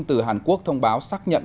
từ hàn quốc thông báo xác nhận